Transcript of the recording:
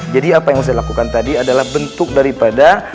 jadi apa yang saya lakukan tadi adalah bentuk daripada